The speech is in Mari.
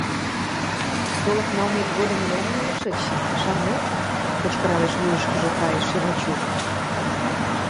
— Солык налмет годым мом ойлышыч, шарнет? — кычкыралеш вуйышкыжо кайыше Вачук.